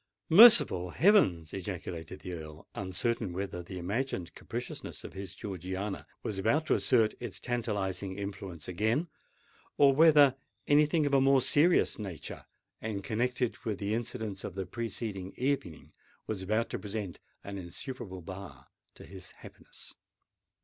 "Merciful heavens!" ejaculated the Earl, uncertain whether the imagined capriciousness of his Georgiana was about to assert its tantalizing influence again, or whether any thing of a more serious nature, and connected with the incidents of the preceding evening, was about to present an insuperable bar to his happiness.